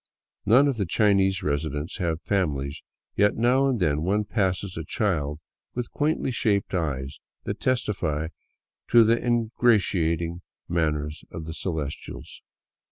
None of the Chinese residents have families ; yet every now and then one passes a child with quaintly shaped eyes that testify to the engratiating manners of the Celestials.